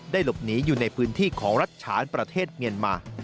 หลบหนีอยู่ในพื้นที่ของรัฐฉานประเทศเมียนมา